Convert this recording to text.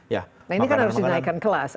nah ini kan harus dinaikkan kelas